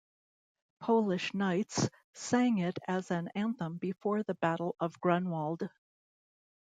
Polish knights sang it as an anthem before the Battle of Grunwald.